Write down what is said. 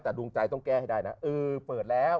แต่ดวงใจต้องแก้ให้ได้นะเออเปิดแล้ว